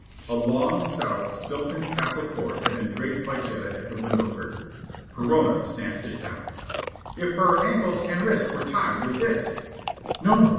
A long stout silken tassel cord had been draped by Jetta at the window curtain. Perona snatched it down. "If her ankles and wrists were tied with this " "No!"